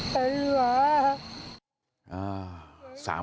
ธันวา